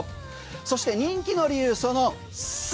そして人気の理由、その３。